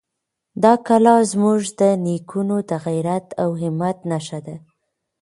دا کلا زموږ د نېکونو د غیرت او همت نښه ده.